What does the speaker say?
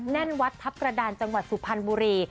แน่นวัดทัพกระดานจังหวัดสุพรรณบุรี